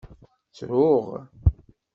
Ttruɣ.